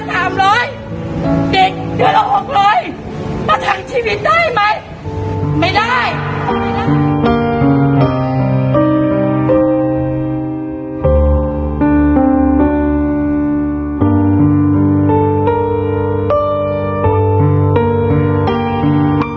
สามร้อยดินเยอะละหกร้อยประทักชีวิตได้ไหมไม่ได้